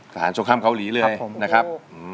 สถานสงครามเกาหลีเลยนะครับ